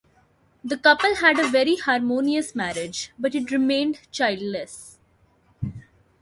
The couple had a very harmonious marriage, but it remained childless.